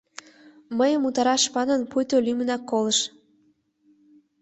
Мыйым утараш манын, пуйто лӱмынак колыш.